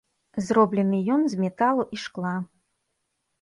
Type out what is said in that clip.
Зроблены ён з металу і шкла.